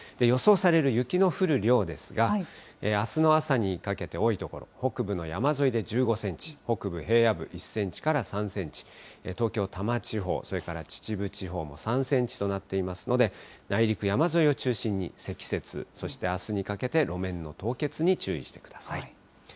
予想される雪の降る量ですが、あすの朝にかけて多い所、北部の山沿いで１５センチ、北部平野部１センチから３センチ、東京・多摩地方、それから秩父地方も３センチとなっていますので、内陸山沿いを中心に、積雪、そしてあすにかけて路面の凍結に注意してください。